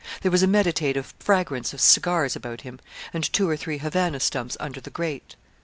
There was a meditative fragrance of cigars about him, and two or three Havannah stumps under the grate.